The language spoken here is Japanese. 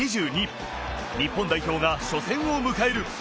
日本代表が初戦を迎える。